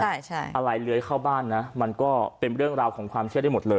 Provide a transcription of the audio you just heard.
ใช่อะไรเลื้อยเข้าบ้านนะมันก็เป็นเรื่องราวของความเชื่อได้หมดเลย